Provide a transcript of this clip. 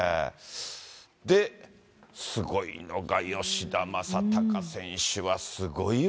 で、すごいのが吉田正尚選手はすごいわ。